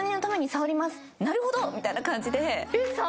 「なるほど！」みたいな感じで。